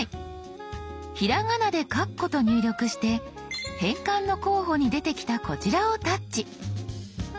ひらがなで「かっこ」と入力して変換の候補に出てきたこちらをタッチ。